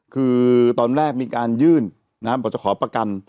คือตอนแรกมีการยื่นบอกจะขอประกัน